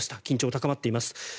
緊張が高まっています。